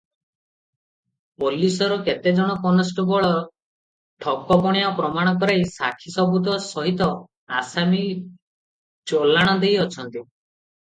ପୋଲିଶର କେତେଜଣ କନଷ୍ଟବଳର ଠକପଣିଆ ପ୍ରମାଣ କରାଇ ସାକ୍ଷୀ ସାବୁତ ସହିତ ଆସାମୀ ଚଲାଣ ଦେଇ ଅଛନ୍ତି ।